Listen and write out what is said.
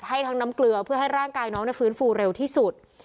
ให้ทั้งน้ำเกลือเพื่อให้ร่างกายน้องฟื้นฟูเร็วที่สุด